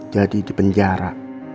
jadi di penjara